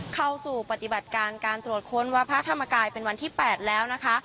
เข้าสู่ปฏิบัติการการตรวจค้นวัดพระธรรมกายเป็นวันที่๘แล้วนะคะ